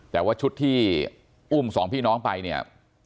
แต่ว่าชุดที่อุ้มสองพี่น้องไปเนี่ย